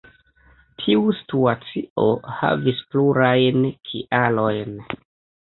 Tiu situacio havis plurajn kialojn.